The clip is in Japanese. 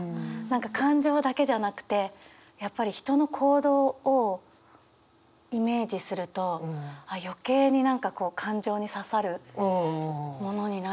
何か感情だけじゃなくてやっぱり人の行動をイメージすると余計に何か感情に刺さるものになるんだなって。